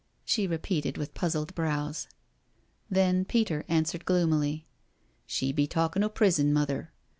she repeated with puzzled brows. Then Peter answered gloomily: "She be talkin' o' prbon. Mother.